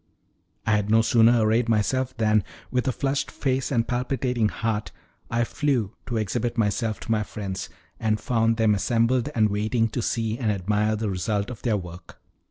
I had no sooner arrayed myself than, with a flushed face and palpitating heart, I flew to exhibit myself to my friends, and found them assembled and waiting to see and admire the result of their work.